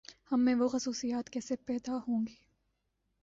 ہم میں وہ خصوصیات کیسے پیداہونگی؟